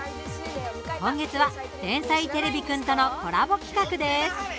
今月は「天才てれびくん」とのコラボ企画です。